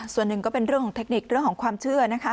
ส่วนหนึ่งก็เป็นเรื่องของเทคนิคเรื่องของความเชื่อนะคะ